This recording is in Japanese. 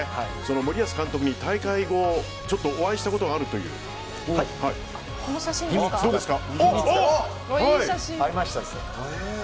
森保監督に大会後ちょっとお会いしたことが会いました。